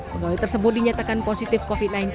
pegawai tersebut dinyatakan positif covid sembilan belas